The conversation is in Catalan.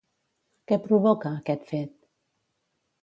Què provoca, aquest fet?